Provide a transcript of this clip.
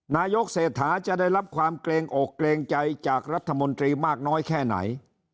นายกเศรษฐาจะได้รับความเกรงอกเกรงใจจากรัฐมนตรีมากน้อยแค่ไหน